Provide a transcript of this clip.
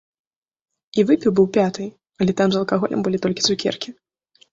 І выпіў бы ў пятай, але там з алкаголем былі толькі цукеркі.